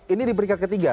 ini di peringkat ketiga